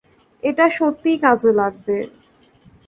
এটা সত্যিই কাজে লাগবে।